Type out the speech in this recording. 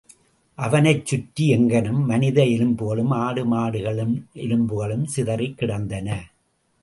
அவனைச் சுற்றி எங்கணும் மனித எலும்புகளும், ஆடு மாடுகளின் எலும்புகளும் சிதறிக் கிடந்தன.